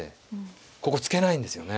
ここ突けないんですよね。